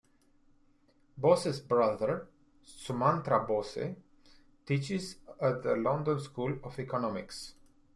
Bose's brother, Sumantra Bose, teaches at the London School of Economics.